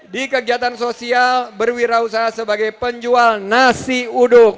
di kegiatan sosial berwirausaha sebagai penjual nasi uduk